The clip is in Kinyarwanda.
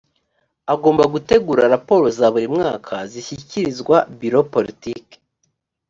agomba gutegura raporo za buri mwaka zishyikirizwa biro politiki